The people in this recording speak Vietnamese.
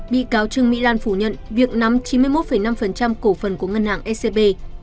bị cáo trương mỹ lan phủ nhận việc nắm chín mươi một năm cổ phần của ngân hàng scb